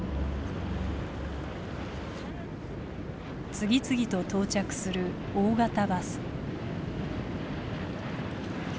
次々と到着する大型バス。